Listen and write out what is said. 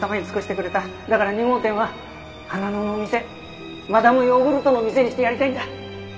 だから２号店は花野の店マダム・ヨーグルトの店にしてやりたいんだ。